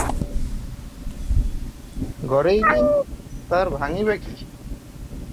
গড়েই নি, তার ভাঙিবে কী।